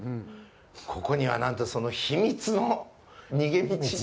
ここには、なんとその秘密の逃げ道。